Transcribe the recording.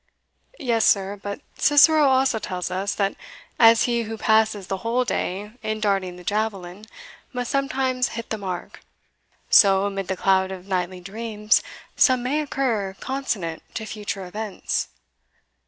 "Yes, sir; but Cicero also tells us, that as he who passes the whole day in darting the javelin must sometimes hit the mark, so, amid the cloud of nightly dreams, some may occur consonant to future events."